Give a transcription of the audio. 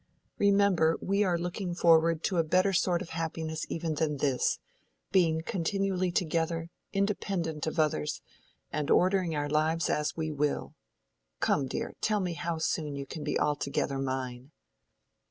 "Remember, we are looking forward to a better sort of happiness even than this—being continually together, independent of others, and ordering our lives as we will. Come, dear, tell me how soon you can be altogether mine."